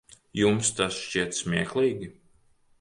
Jums tas šķiet smieklīgi?